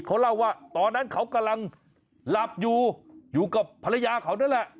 เขาเล่าว่าตอนนั้นเขากำลังหลับอยู่อยู่กับภรรยาเขานั่นแหละ